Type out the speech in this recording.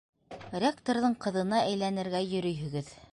Ректорҙың ҡыҙына әйләнергә йөрөйһөгөҙ!